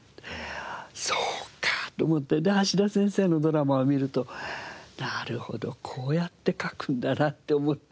そうかって思って橋田先生のドラマを観るとなるほどこうやって書くんだなって思ったり。